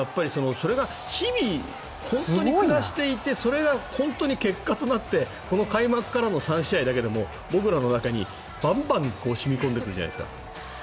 それが日々、本当に暮らしていてそれが本当に結果となってこの開幕からの３試合の中でも僕らの中にばんばん染み込んでくるじゃないですか。